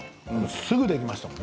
すぐできましたよね。